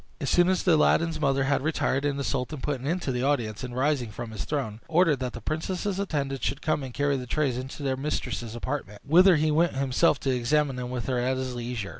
As soon as Aladdin's mother had retired, the sultan put an end to the audience; and rising from his throne, ordered that the princess's attendants should come and carry the trays into their mistress's apartment, whither he went himself to examine them with her at his leisure.